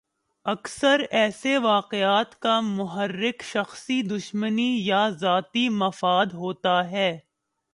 اکثر ایسے واقعات کا محرک شخصی دشمنی یا ذاتی مفاد ہوتا ہے۔